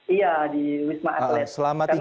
iya di wisma atulid